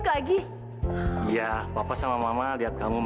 sumpah namanya bago